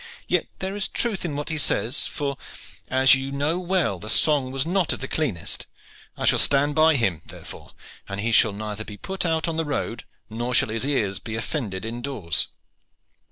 Yet there is truth in what he says, for, as you know well, the song was not of the cleanest. I shall stand by him, therefore, and he shall neither be put out on the road, nor shall his ears be offended indoors."